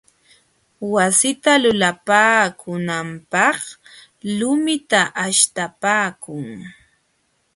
Wasita lulapaakunanpaq lumita aśhtapaakun.